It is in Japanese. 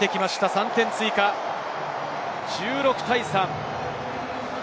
３点追加、１６対３。